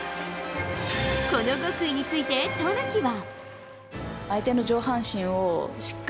この極意について、渡名喜は。